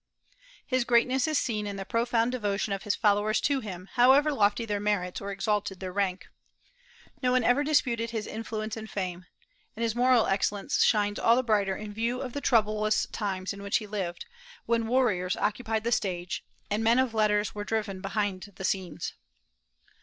His greatness is seen in the profound devotion of his followers to him, however lofty their merits or exalted their rank. No one ever disputed his influence and fame; and his moral excellence shines all the brighter in view of the troublous times in which he lived, when warriors occupied the stage, and men of letters were driven behind the scenes.